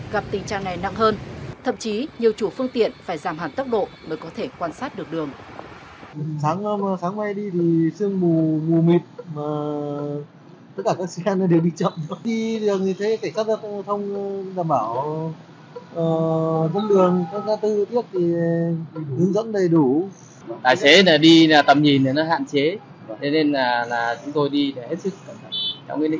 gặp tình trạng này nặng hơn thậm chí nhiều chủ phương tiện phải giảm hẳn tốc độ mới có thể quan sát được đường